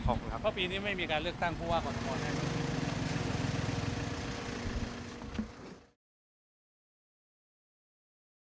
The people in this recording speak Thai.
เพราะปีนี้ไม่มีการเลือกตั้งผู้ว่ากรทมแน่นอน